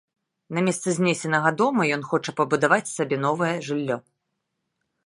На месцы знесенага дома ён хоча пабудаваць сабе новае жыллё.